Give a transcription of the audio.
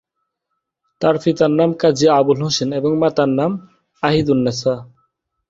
তার পিতার নাম কাজী আবুল হোসেন এবং মাতার নাম আহিদুন্নেছা।